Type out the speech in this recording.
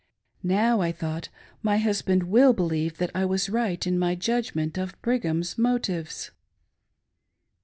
Now, I thought, my husband will believe that I was right in my judgment of Brigham's motives.